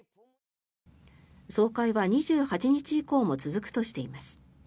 総会は２８日以降も続くとしています。